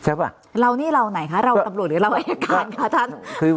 ใช่ป่ะเรานี่เราไหนคะเราตำรวจหรือเราอายการคะท่านคือ